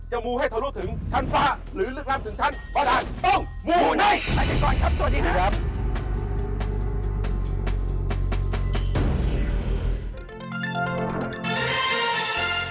จะหมูให้เธอรู้ถึงชั้นฟ้าหรือลึกล้ามถึงชั้น